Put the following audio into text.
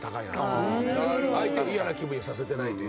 相手を嫌な気分にさせてないという。